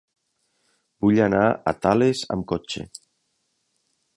Vull anar a Tales amb cotxe.